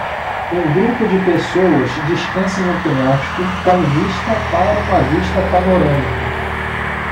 Um grupo de pessoas descansa em um penhasco com vista para uma vista panorâmica.